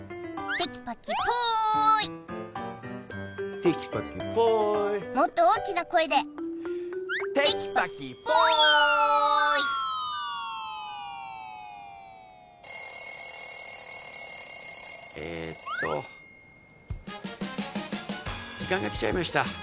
テキパキポイテキパキポイもっと大きな声でテキパキポイえっと時間がきちゃいました